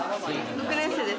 ６年生です。